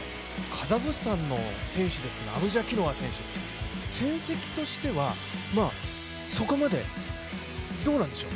カザフスタンの選手ですが、アブジャキノワ選手、戦績としてはそこまで、どうなんでしょう。